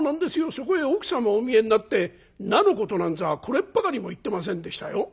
そこへ奥様お見えになって菜のことなんざこれっぱかりも言ってませんでしたよ。